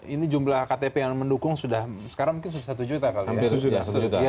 ini jumlah ktp yang mendukung sudah sekarang mungkin sudah satu juta